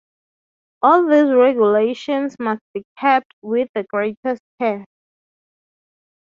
All these regulations must be kept with the greatest care.